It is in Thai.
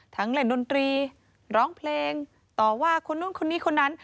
เล่นดนตรีร้องเพลงต่อว่าคนนู้นคนนี้คนนั้น